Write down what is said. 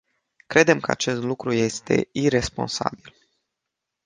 Credem că acest lucru este iresponsabil.